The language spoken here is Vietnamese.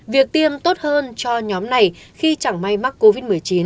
việc tiêm tốt hơn cho nhóm này khi chẳng may mắc covid một mươi chín